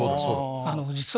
実は。